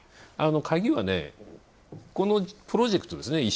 鍵は、プロジェクトですよね。